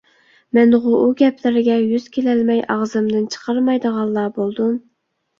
مەنغۇ ئۇ گەپلەرگە يۈز كېلەلمەي ئاغزىمدىن چىقارمايدىغانلا بولدۇم.